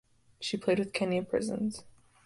She played with Kenya Prisons.